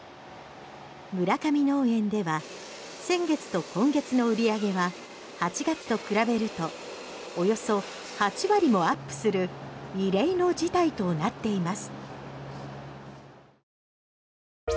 村上農園では先月と今月の売り上げは８月と比べるとおよそ８割もアップする異例の事態となっています。